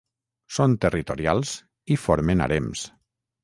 Són territorials i formen harems.